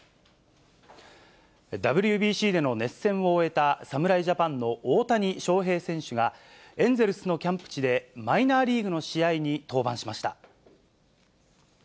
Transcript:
ＷＢＣでの熱戦を終えた侍ジャパンの大谷翔平選手が、エンゼルスのキャンプ地で、マイナーリーグの試合に登板しました。